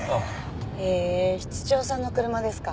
へえ室長さんの車ですか。